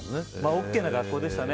ＯＫな学校でしたね。